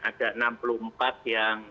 ada enam puluh empat yang